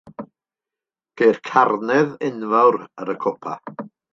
Ceir carnedd enfawr ar y copa.